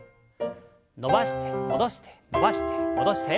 伸ばして戻して伸ばして戻して。